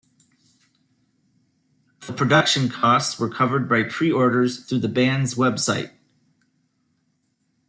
The production costs were covered by pre-orders through the band's website.